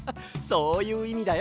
そういういみだよ。